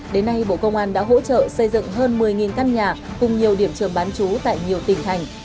đến nay bộ công an đã hỗ trợ xây dựng hơn một mươi căn nhà cùng nhiều điểm trường bán chú tại nhiều tỉnh thành